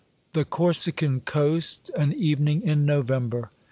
The Corsican coast, an evening in November.